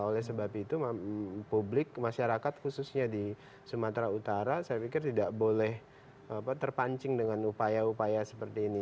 oleh sebab itu publik masyarakat khususnya di sumatera utara saya pikir tidak boleh terpancing dengan upaya upaya seperti ini